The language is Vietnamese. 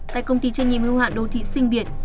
tại công ty trách nhiệm hưu hạn đô thị sinh việt